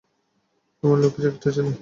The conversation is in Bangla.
আমার লক্ষ্মী একটা ছেলে।